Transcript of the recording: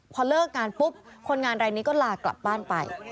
พอเลิกงานปุ๊บคนงานรายนี้ก็ลากลับบ้านไป